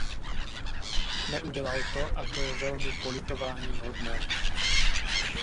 Neudělal to a to je velmi politováníhodné.